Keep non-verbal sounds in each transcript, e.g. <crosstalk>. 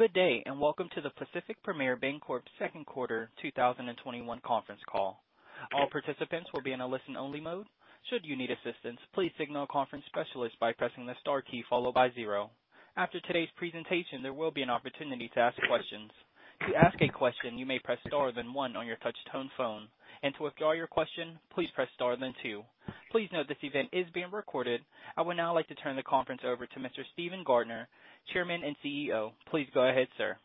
Good day, and welcome to the Pacific Premier Bancorp second quarter 2021 conference call. All participants will be in a listen-only mode. Should you need assistance, please signal a conference specialist by pressing the star key followed by zero. After today's presentation, there will be an opportunity to ask questions. To ask a question you may press star then one on your touch-tone phone. To withdraw your question, you may press star then two. Please note this event is being recorded. I would now like to turn the conference over to Mr. Steven Gardner, Chairman and CEO. Please go ahead, sir.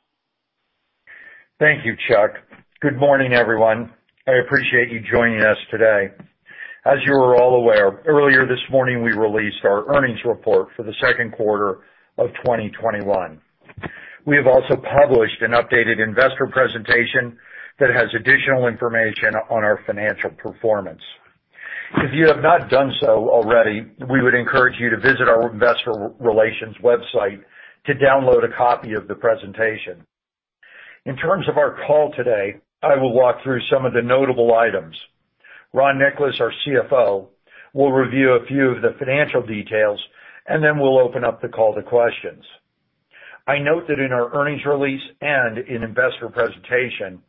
Thank you, Chuck. Good morning, everyone. I appreciate you joining us today. As you are all aware, earlier this morning we released our earnings report for the second quarter of 2021. We have also published an updated investor presentation that has additional information on our financial performance. If you have not done so already, we would encourage you to visit our investor relations website to download a copy of the presentation. In terms of our call today, I will walk through some of the notable items. Ron Nicolas, our CFO, will review a few of the financial details, and then we'll open up the call to questions. I note that in our earnings release and in investor presentation,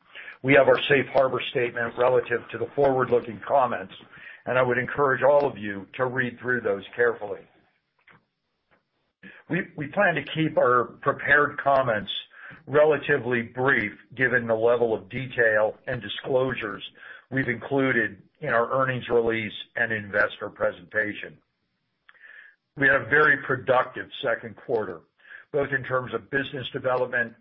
we have our safe harbor statement relative to the forward-looking comments, and I would encourage all of you to read through those carefully. We plan to keep our prepared comments relatively brief given the level of detail and disclosures we've included in our earnings release and investor presentation. We had a very productive second quarter, both in terms of business development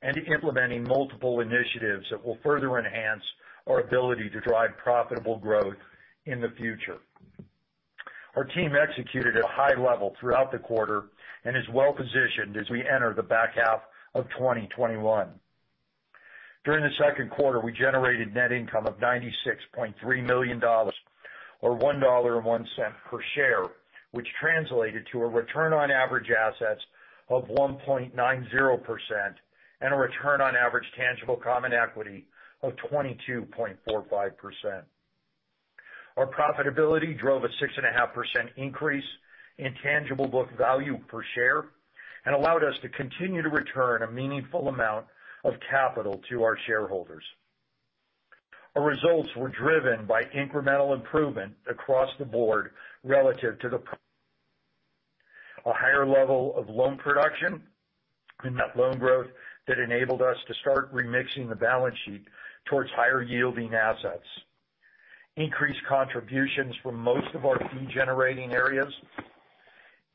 and implementing multiple initiatives that will further enhance our ability to drive profitable growth in the future. Our team executed at a high level throughout the quarter and is well-positioned as we enter the back half of 2021. During the second quarter, we generated net income of $96.3 million, or $1.01 per share, which translated to a return on average assets of 1.90% and a return on average tangible common equity of 22.45%. Our profitability drove a 6.5% increase in tangible book value per share and allowed us to continue to return a meaningful amount of capital to our shareholders. Our results were driven by incremental improvement across the board relative to the <audio distortion> a higher level of loan production and net loan growth that enabled us to start remixing the balance sheet towards higher-yielding assets, increased contributions from most of our fee-generating areas,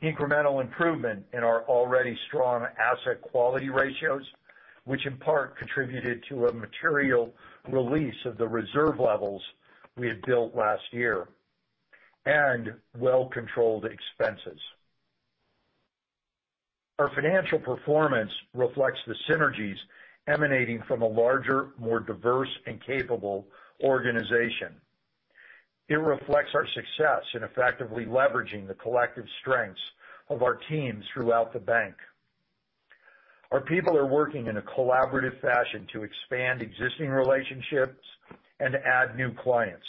incremental improvement in our already strong asset quality ratios, which in part contributed to a material release of the reserve levels we had built last year, and well-controlled expenses. Our financial performance reflects the synergies emanating from a larger, more diverse, and capable organization. It reflects our success in effectively leveraging the collective strengths of our teams throughout the bank. Our people are working in a collaborative fashion to expand existing relationships and add new clients,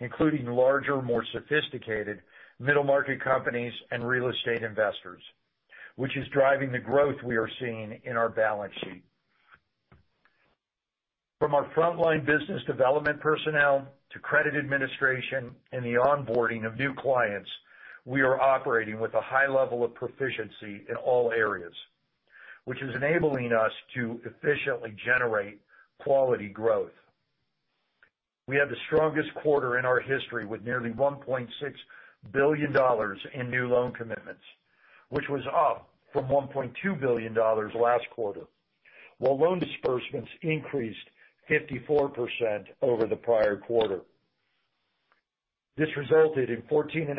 including larger, more sophisticated middle-market companies and real estate investors, which is driving the growth we are seeing in our balance sheet. From our frontline business development personnel to credit administration and the onboarding of new clients, we are operating with a high level of proficiency in all areas, which is enabling us to efficiently generate quality growth. We had the strongest quarter in our history with nearly $1.6 billion in new loan commitments, which was up from $1.2 billion last quarter, while loan disbursements increased 54% over the prior quarter. This resulted in 14.5%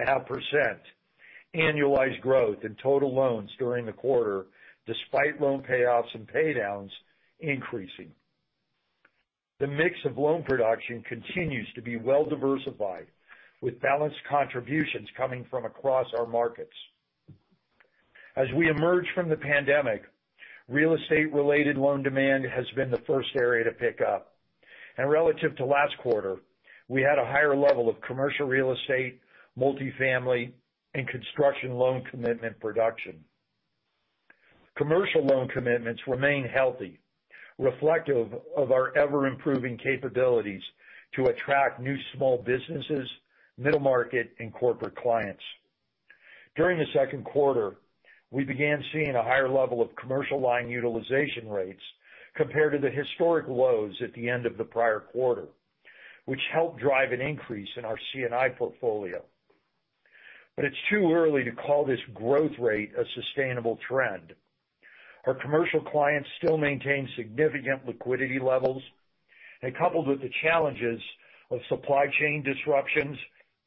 annualized growth in total loans during the quarter, despite loan payoffs and pay downs increasing. The mix of loan production continues to be well-diversified, with balanced contributions coming from across our markets. As we emerge from the pandemic, real estate-related loan demand has been the first area to pick up. Relative to last quarter, we had a higher level of commercial real estate, multifamily, and construction loan commitment production. Commercial loan commitments remain healthy, reflective of our ever-improving capabilities to attract new small businesses, middle market, and corporate clients. During the second quarter, we began seeing a higher level of commercial line utilization rates compared to the historic lows at the end of the prior quarter, which helped drive an increase in our C&I portfolio. It's too early to call this growth rate a sustainable trend. Our commercial clients still maintain significant liquidity levels, coupled with the challenges of supply chain disruptions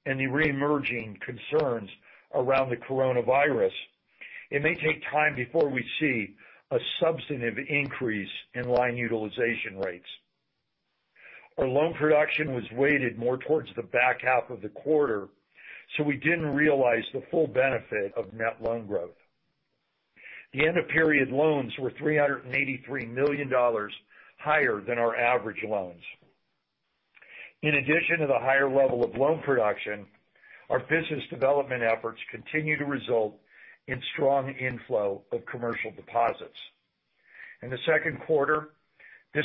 and the re-emerging concerns around the coronavirus, it may take time before we see a substantive increase in line utilization rates. Our loan production was weighted more towards the back half of the quarter, so we didn't realize the full benefit of net loan growth. The end-of-period loans were $383 million higher than our average loans. In addition to the higher level of loan production, our business development efforts continue to result in strong inflow of commercial deposits. In the second quarter, this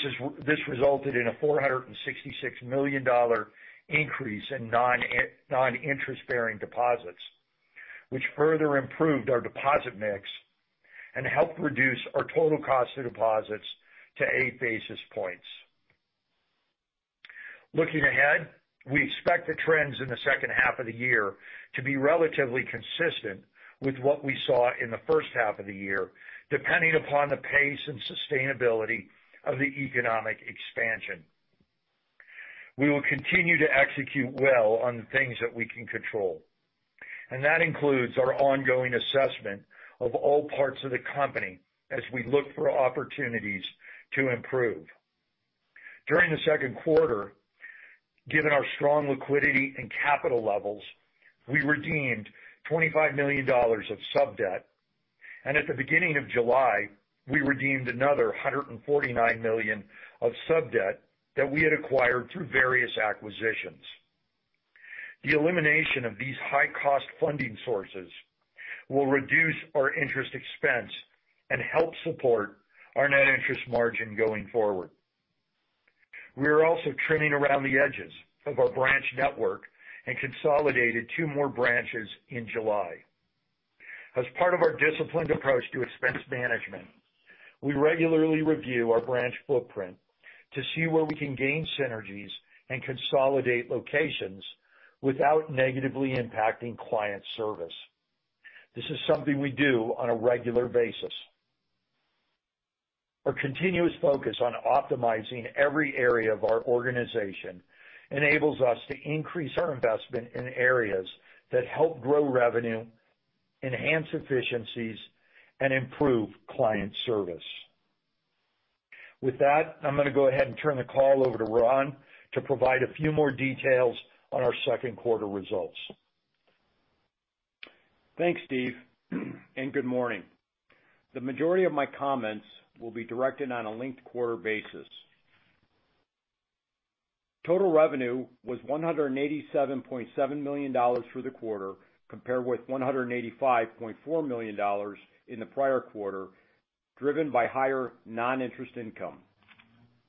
resulted in a $466 million increase in non-interest-bearing deposits, which further improved our deposit mix and helped reduce our total cost of deposits to 8 basis points. Looking ahead, we expect the trends in the second half of the year to be relatively consistent with what we saw in the first half of the year, depending upon the pace and sustainability of the economic expansion. We will continue to execute well on the things that we can control, and that includes our ongoing assessment of all parts of the company as we look for opportunities to improve. During the second quarter, given our strong liquidity and capital levels, we redeemed $25 million of sub-debt, and at the beginning of July, we redeemed another $149 million of sub-debt that we had acquired through various acquisitions. The elimination of these high-cost funding sources will reduce our interest expense and help support our net interest margin going forward. We are also trimming around the edges of our branch network and consolidated two more branches in July. As part of our disciplined approach to expense management, we regularly review our branch footprint to see where we can gain synergies and consolidate locations without negatively impacting client service. This is something we do on a regular basis. Our continuous focus on optimizing every area of our organization enables us to increase our investment in areas that help grow revenue, enhance efficiencies, and improve client service. With that, I'm going to go ahead and turn the call over to Ron to provide a few more details on our second quarter results. Thanks, Steve, and good morning. The majority of my comments will be directed on a linked-quarter basis. Total revenue was $187.7 million for the quarter, compared with $185.4 million in the prior quarter, driven by higher non-interest income.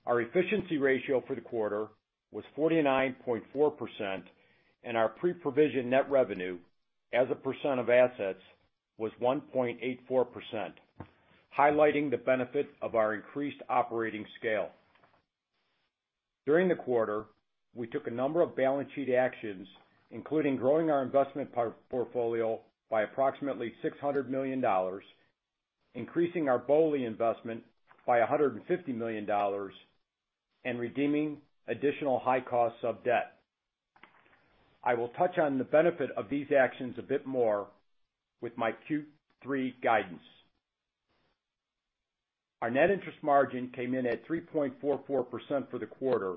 Our efficiency ratio for the quarter was 49.4%, and our pre-provision net revenue as a percent of assets was 1.84%, highlighting the benefit of our increased operating scale. During the quarter, we took a number of balance sheet actions, including growing our investment portfolio by approximately $600 million, increasing our BOLI investment by $150 million, and redeeming additional high-cost sub-debt. I will touch on the benefit of these actions a bit more with my Q3 guidance. Our net interest margin came in at 3.44% for the quarter,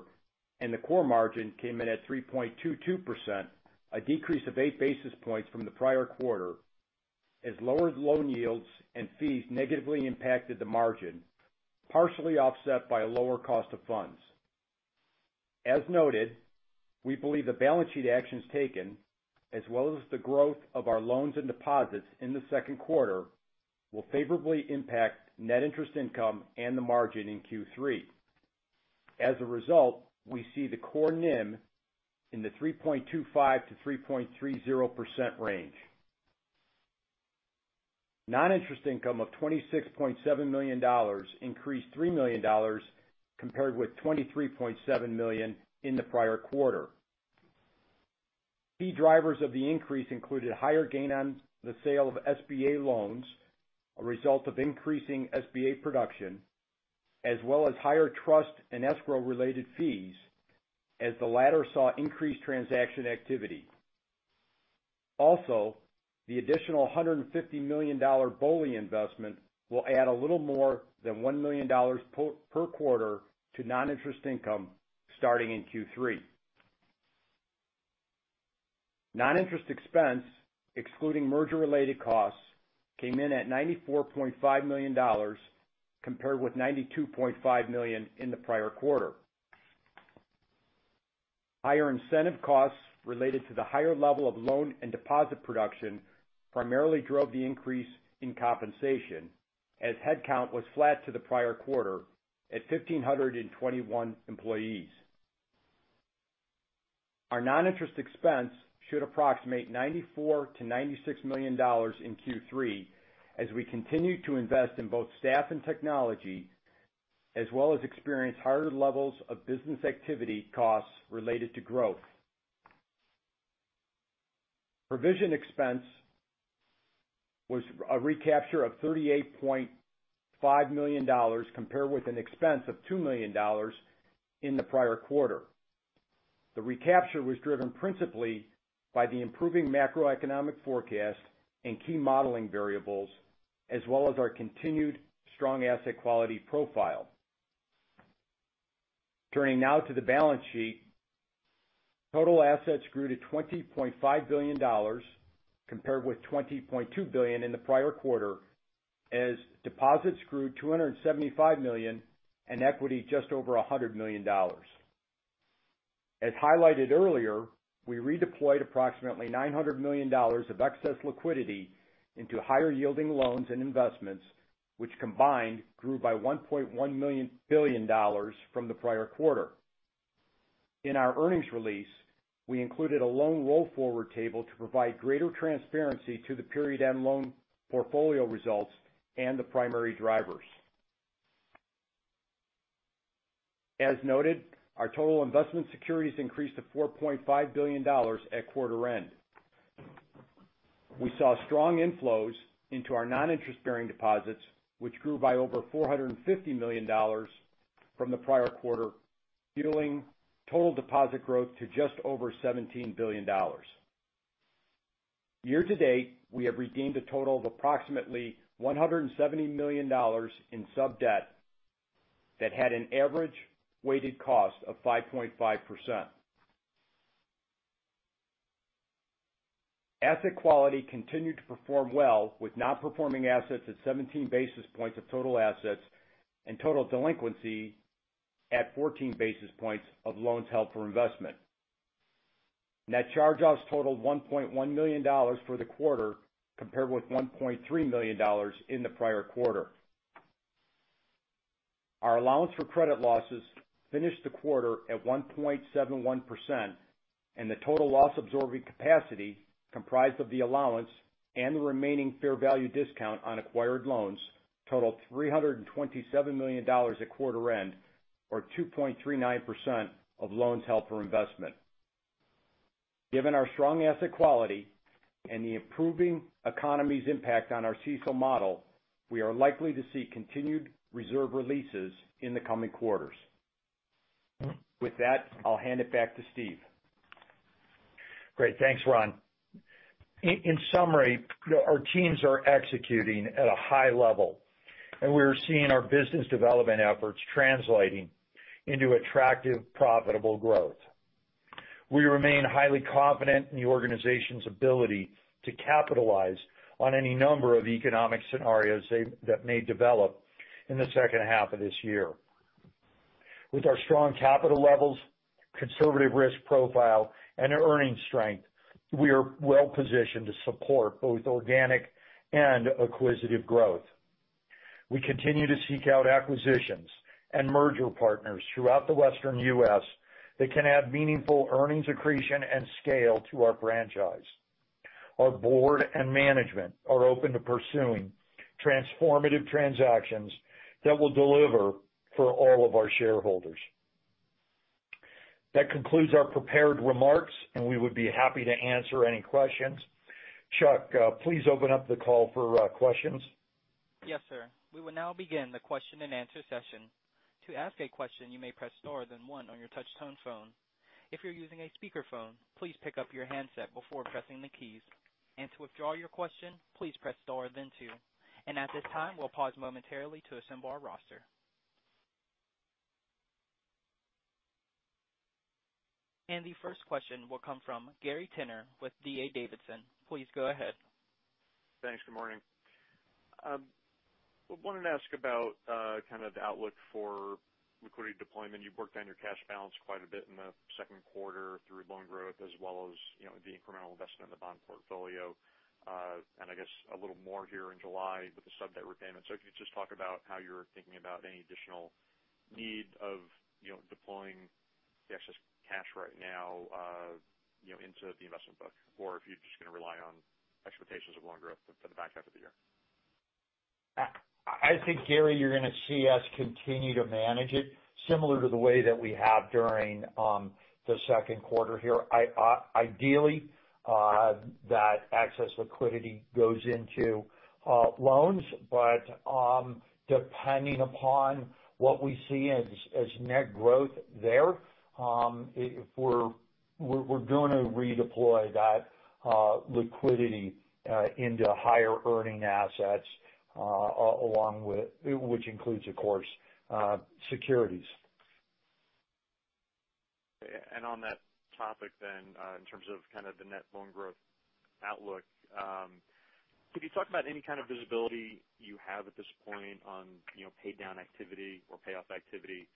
and the core margin came in at 3.22%, a decrease of 8 basis points from the prior quarter, as lower loan yields and fees negatively impacted the margin, partially offset by a lower cost of funds. As noted, we believe the balance sheet actions taken, as well as the growth of our loans and deposits in the second quarter, will favorably impact net interest income and the margin in Q3. As a result, we see the core NIM in the 3.25%-3.30% range. Non-interest income of $26.7 million increased $3 million compared with $23.7 million in the prior quarter. Key drivers of the increase included higher gain on the sale of SBA loans, a result of increasing SBA production, as well as higher trust and escrow-related fees, as the latter saw increased transaction activity. The additional $150 million BOLI investment will add a little more than $1 million per quarter to non-interest income starting in Q3. Non-interest expense, excluding merger-related costs, came in at $94.5 million, compared with $92.5 million in the prior quarter. Higher incentive costs related to the higher level of loan and deposit production primarily drove the increase in compensation as headcount was flat to the prior quarter at 1,521 employees. Our non-interest expense should approximate $94 million-$96 million in Q3 as we continue to invest in both staff and technology, as well as experience higher levels of business activity costs related to growth. Provision expense was a recapture of $38.5 million compared with an expense of $2 million in the prior quarter. The recapture was driven principally by the improving macroeconomic forecast and key modeling variables, as well as our continued strong asset quality profile. Turning now to the balance sheet. Total assets grew to $20.5 billion compared with $20.2 billion in the prior quarter, as deposits grew $275 million and equity just over $100 million. As highlighted earlier, we redeployed approximately $900 million of excess liquidity into higher-yielding loans and investments, which combined grew by $1.1 billion from the prior quarter. In our earnings release, we included a loan roll forward table to provide greater transparency to the period end loan portfolio results and the primary drivers. As noted, our total investment securities increased to $4.5 billion at quarter end. We saw strong inflows into our non-interest-bearing deposits, which grew by over $450 million from the prior quarter, fueling total deposit growth to just over $17 billion. Year-to-date, we have redeemed a total of approximately $170 million in sub-debt that had an average weighted cost of 5.5%. Asset quality continued to perform well with non-performing assets at 17 basis points of total assets and total delinquency at 14 basis points of loans held for investment. Net charge-offs totaled $1.1 million for the quarter, compared with $1.3 million in the prior quarter. Our allowance for credit losses finished the quarter at 1.71%, and the total loss-absorbing capacity, comprised of the allowance and the remaining fair value discount on acquired loans, totaled $327 million at quarter end, or 2.39% of loans held for investment. Given our strong asset quality and the improving economy's impact on our CECL model, we are likely to see continued reserve releases in the coming quarters. With that, I'll hand it back to Steve. Great. Thanks, Ron. In summary, our teams are executing at a high level, and we're seeing our business development efforts translating into attractive, profitable growth. We remain highly confident in the organization's ability to capitalize on any number of economic scenarios that may develop in the second half of this year. With our strong capital levels, conservative risk profile, and earnings strength, we are well-positioned to support both organic and acquisitive growth. We continue to seek out acquisitions and merger partners throughout the Western U.S. that can add meaningful earnings accretion and scale to our franchise. Our board and management are open to pursuing transformative transactions that will deliver for all of our shareholders. That concludes our prepared remarks, and we would be happy to answer any questions. Chuck, please open up the call for questions. Yes, sir. We will now begin the question-and-answer session. To ask a question, you may press star then one on your touch-tone phone. If you're using a speakerphone, please pick up your handset before pressing the keys. To withdraw your question, please press star then two. At this time, we'll pause momentarily to assemble our roster. The first question will come from Gary Tenner with D.A. Davidson. Please go ahead. Thanks. Good morning. I wanted to ask about kind of the outlook for liquidity deployment. You've worked on your cash balance quite a bit in the second quarter through loan growth as well as the incremental investment in the bond portfolio. I guess a little more here in July with the sub-debt repayment. If you could just talk about how you're thinking about any additional need of deploying the excess cash right now into the investment book. If you're just going to rely on expectations of loan growth for the back half of the year. I think, Gary, you're going to see us continue to manage it similar to the way that we have during the second quarter here. Ideally, that excess liquidity goes into loans. Depending upon what we see as net growth there, if we're going to redeploy that liquidity into higher-earning assets, which includes, of course, securities. On that topic then, in terms of kind of the net loan growth outlook, could you talk about any kind of visibility you have at this point on pay down activity or payoff activity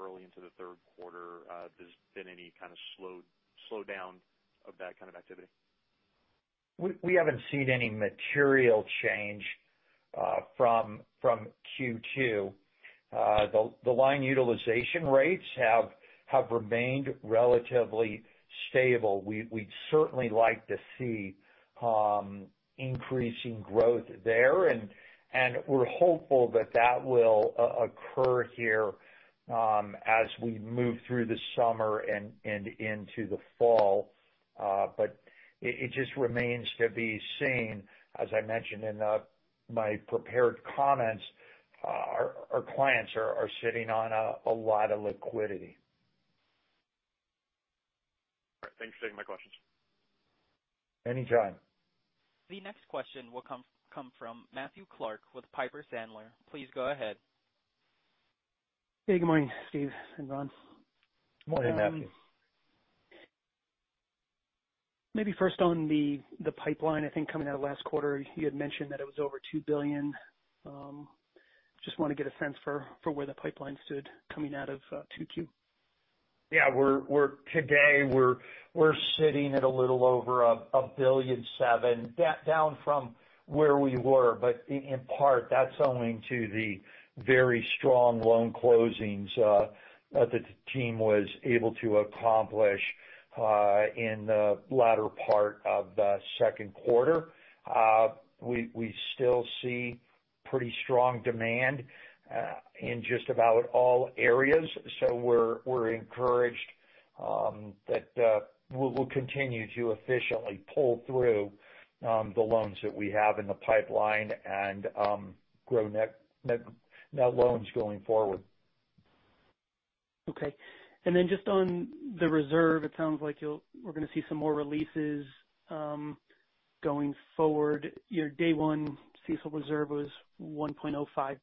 early into the third quarter? Has there been any kind of slowdown of that kind of activity? We haven't seen any material change from Q2. The line utilization rates have remained relatively stable. We'd certainly like to see increasing growth there, and we're hopeful that that will occur here as we move through the summer and into the fall. It just remains to be seen. As I mentioned in my prepared comments, our clients are sitting on a lot of liquidity. All right. Thanks for taking my questions. Anytime. The next question will come from Matthew Clark with Piper Sandler. Please go ahead. Hey, good morning, Steve and Ron. Morning, Matt. Maybe first on the pipeline, I think coming out of last quarter, you had mentioned that it was over $2 billion. Just want to get a sense for where the pipeline stood coming out of Q2. Yeah. Today, we're sitting at a little over $1.7 billion. Down from where we were, but in part, that's owing to the very strong loan closings that the team was able to accomplish in the latter part of the second quarter. We still see pretty strong demand in just about all areas. We're encouraged that we'll continue to efficiently pull through the loans that we have in the pipeline and grow net loans going forward. Then just on the reserve, it sounds like we're going to see some more releases going forward. Your day one CECL reserve was 1.05%.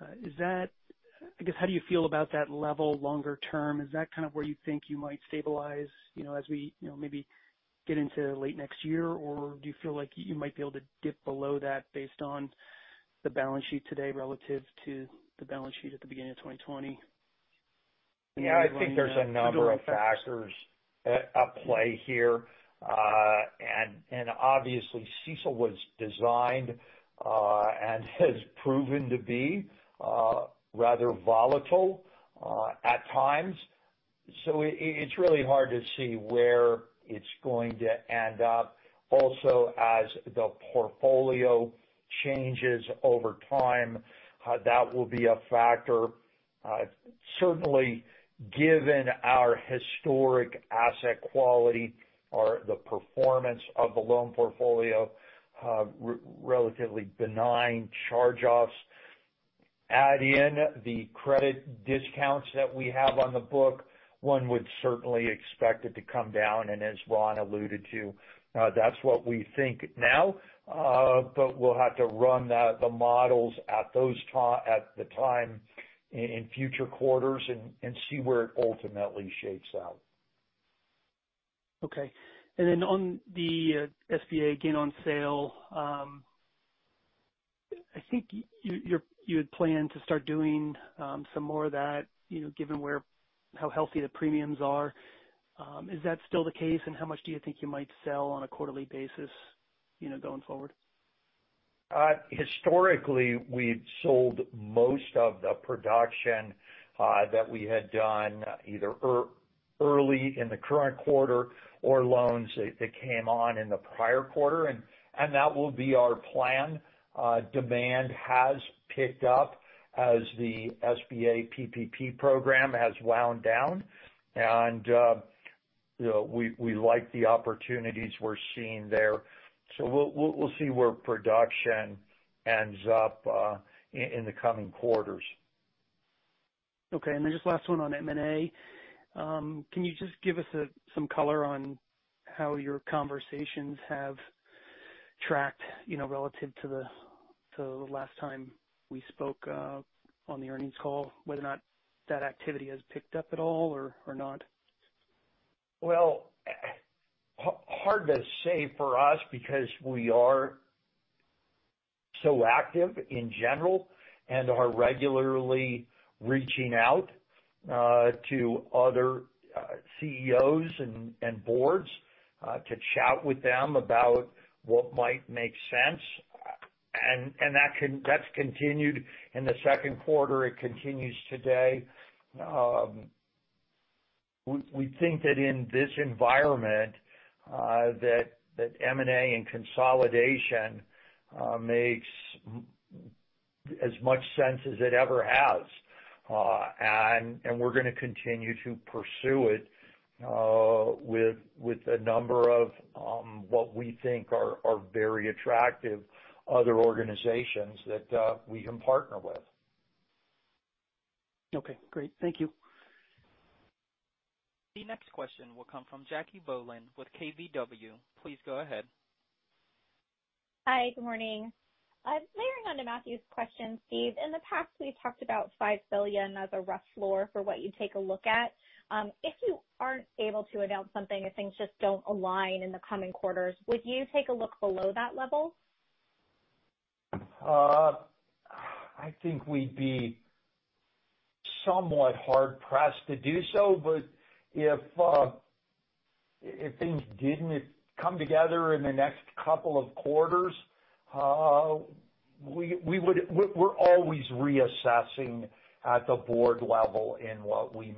I guess, how do you feel about that level longer term? Is that kind of where you think you might stabilize as we maybe get into late next year? Do you feel like you might be able to dip below that based on the balance sheet today relative to the balance sheet at the beginning of 2020? Yeah, I think there's a number of factors at play here. Obviously CECL was designed, and has proven to be rather volatile at times. It's really hard to see where it's going to end up. Also, as the portfolio changes over time, that will be a factor. Certainly, given our historic asset quality or the performance of the loan portfolio, relatively benign charge-offs. Add in the credit discounts that we have on the book, one would certainly expect it to come down, and as Ron alluded to, that's what we think now. We'll have to run the models at the time in future quarters and see where it ultimately shakes out. Okay. On the SBA gain on sale, I think you had planned to start doing some more of that, given how healthy the premiums are. Is that still the case, and how much do you think you might sell on a quarterly basis going forward? Historically, we've sold most of the production that we had done either early in the current quarter or loans that came on in the prior quarter. That will be our plan. Demand has picked up as the SBA PPP program has wound down. We like the opportunities we're seeing there. We'll see where production ends up in the coming quarters. Okay. Just last one on M&A. Can you just give us some color on how your conversations have tracked relative to the last time we spoke on the earnings call? Whether or not that activity has picked up at all or not? Well, hard to say for us because we are so active in general and are regularly reaching out to other CEOs and boards to chat with them about what might make sense. That's continued in the second quarter. It continues today. We think that in this environment that M&A and consolidation makes as much sense as it ever has. We're going to continue to pursue it with a number of what we think are very attractive other organizations that we can partner with. Okay, great. Thank you. The next question will come from Jackie Bohlen with KBW. Please go ahead. Hi, good morning. Layering onto Matthew's question, Steve, in the past, we've talked about $5 billion as a rough floor for what you'd take a look at. If you aren't able to announce something, if things just don't align in the coming quarters, would you take a look below that level? I think we'd be somewhat hard-pressed to do so. If things didn't come together in the next couple of quarters, we're always reassessing at the board level in what we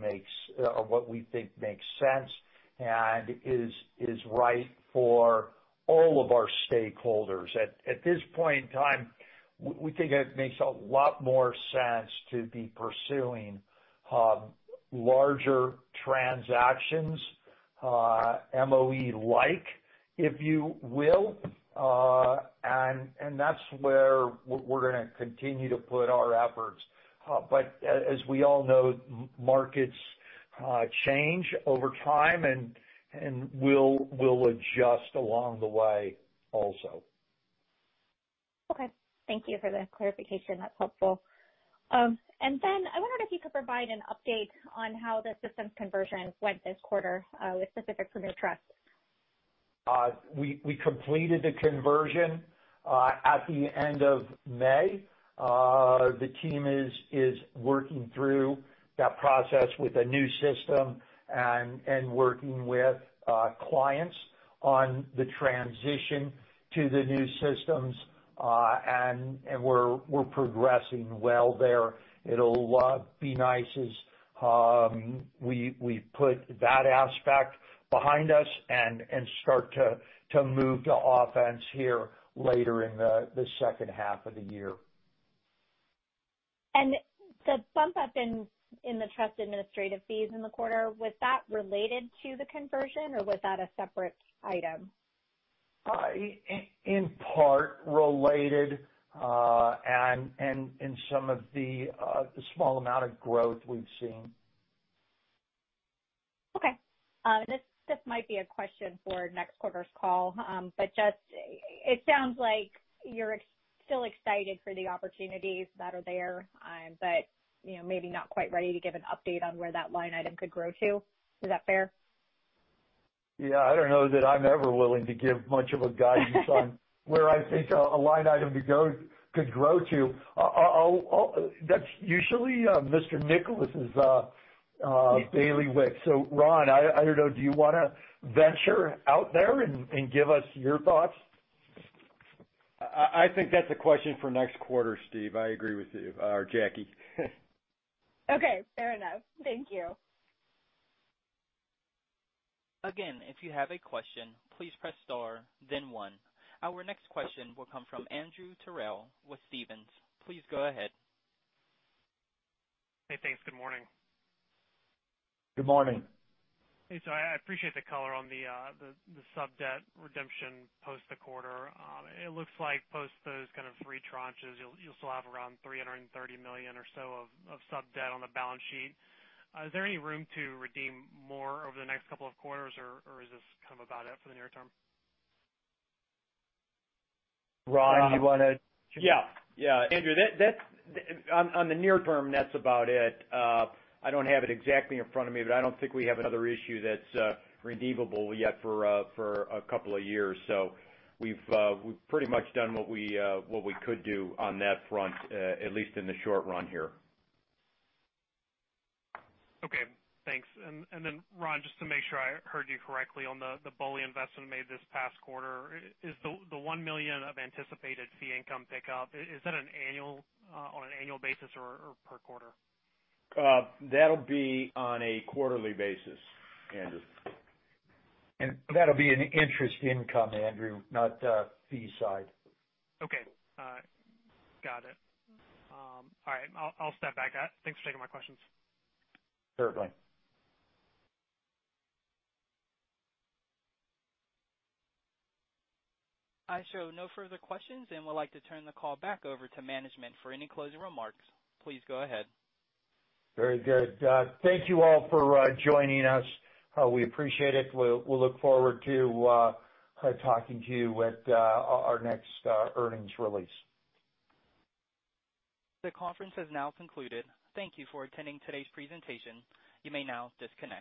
think makes sense and is right for all of our stakeholders. At this point in time, we think it makes a lot more sense to be pursuing larger transactions, MOE-like if you will. That's where we're going to continue to put our efforts. As we all know, markets change over time, and we'll adjust along the way also. Okay. Thank you for the clarification. That's helpful. Then I wondered if you could provide an update on how the systems conversion went this quarter, with Pacific Premier Trust. We completed the conversion at the end of May. The team is working through that process with a new system and working with clients on the transition to the new systems. We're progressing well there. It'll be nice as we put that aspect behind us and start to move to offense here later in the second half of the year. The bump up in the trust administrative fees in the quarter, was that related to the conversion, or was that a separate item? In part related, and in some of the small amount of growth we've seen. Okay. This might be a question for next quarter's call. It sounds like you're still excited for the opportunities that are there, but maybe not quite ready to give an update on where that line item could grow to. Is that fair? Yeah. I don't know that I'm ever willing to give much of a guidance on where I think a line item could grow to. That's usually Mr. Nicolas's bailiwick. Ron, I don't know, do you want to venture out there and give us your thoughts? I think that's a question for next quarter, Steve. I agree with you. Jackie. Okay, fair enough. Thank you. Again, if you have a question, please press star then one. Our next question will come from Andrew Terrell with Stephens. Please go ahead. Hey, thanks. Good morning. Good morning. Hey. I appreciate the color on the sub-debt redemption post the quarter. It looks like post those kind of three tranches, you'll still have around $330 million or so of sub-debt on the balance sheet. Is there any room to redeem more over the next couple of quarters, or is this kind of about it for the near term? Ron, do you want to? Yeah. Andrew, on the near term, that's about it. I don't have it exactly in front of me, but I don't think we have another issue that's redeemable yet for a couple of years. We've pretty much done what we could do on that front, at least in the short run here. Okay, thanks. Ron, just to make sure I heard you correctly on the BOLI investment made this past quarter. Is the $1 million of anticipated fee income pickup, is that on an annual basis or per quarter? That'll be on a quarterly basis, Andrew. That'll be in interest income, Andrew, not fee side. Okay. Got it. All right. I'll step back. Thanks for taking my questions. Certainly. I show no further questions and would like to turn the call back over to management for any closing remarks. Please go ahead. Very good. Thank you all for joining us. We appreciate it. We look forward to talking to you at our next earnings release. The conference has now concluded. Thank you for attending today's presentation. You may now disconnect.